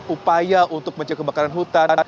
upaya untuk mencegah kebakaran hutan